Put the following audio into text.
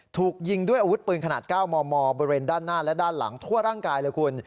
ถูกยิงด้วยอาวุธปืนขนาด๙มมบริเวณด้านหน้าและด้านหลังทั่วร่างกายเลยคุณ